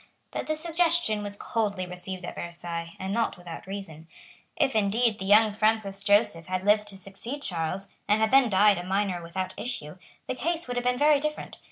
But this suggestion was coldly received at Versailles, and not without reason. If, indeed, the young Francis Joseph had lived to succeed Charles, and had then died a minor without issue, the case would have been very different.